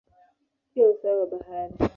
juu ya usawa wa bahari.